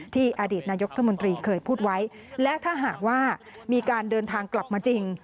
อดีตนายกรัฐมนตรีเคยพูดไว้และถ้าหากว่ามีการเดินทางกลับมาจริง